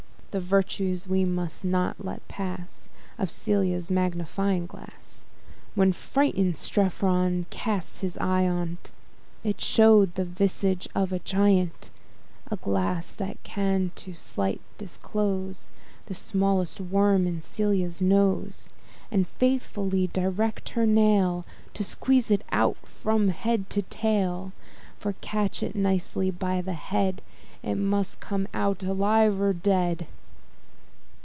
The virtues we must not let pass Of Celia's magnifying glass; When frighted Strephon cast his eye on't, It shew'd the visage of a giant: A glass that can to sight disclose The smallest worm in Celia's nose, And faithfully direct her nail To squeeze it out from head to tail; For, catch it nicely by the head, It must come out, alive or dead.